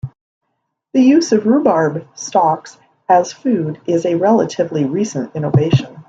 The use of rhubarb stalks as food is a relatively recent innovation.